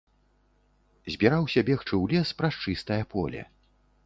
Збіраўся бегчы ў лес праз чыстае поле.